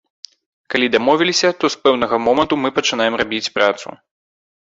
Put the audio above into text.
Калі дамовіліся, то з пэўнага моманту мы пачынаем рабіць працу.